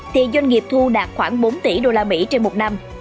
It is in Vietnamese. thì doanh nghiệp thu đạt khoảng bốn tỷ usd trên một năm